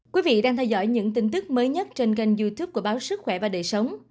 quý vị đang theo dõi những tin tức mới nhất trên kênh youtube của báo sức khỏe và đời sống